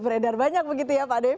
beredar banyak begitu ya pak dewi